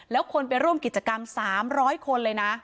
แล้วคนไปร่วมกิจกรรม๓๐๐คนเลยนะ